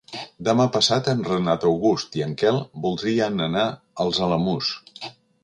Demà passat en Renat August i en Quel voldrien anar als Alamús.